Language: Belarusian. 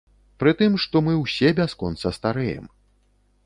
Пры тым, што мы ўсе бясконца старэем.